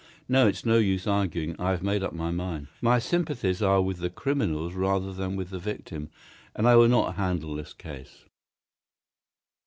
No, it's no use arguing. I have made up my mind. My sympathies are with the criminals rather than with the victim, and I will not handle this case."